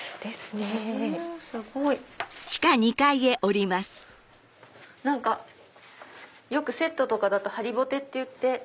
すごい！何かよくセットとかだと張りぼてっていって。